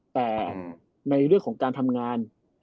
แต่ในเรื่องของการทำงาน